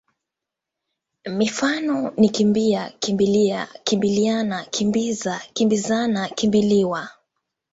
Mifano ni kimbi-a, kimbi-lia, kimbili-ana, kimbi-za, kimbi-zana, kimbi-liwa.